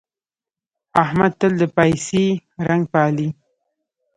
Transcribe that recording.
احمد تل د پايڅې رنګ پالي.